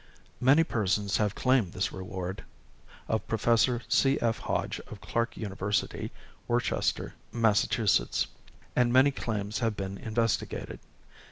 Many persons have claimed this reward (of Professor C.F. Hodge, of Clark University, Worcester, Mass.), and many claims have been investigated.